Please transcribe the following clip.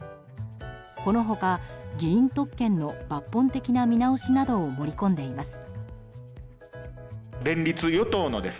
この他、議員特権の抜本的な見直しなどを盛り込んでいます。